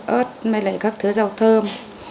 ớt các thứ rau thơm